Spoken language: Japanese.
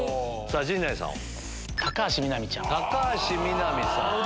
陣内さんは？